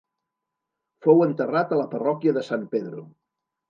Fou enterrat a la parròquia de San Pedro.